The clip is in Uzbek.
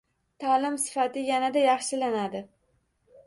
Ta’lim sifati yanada yaxshilanadi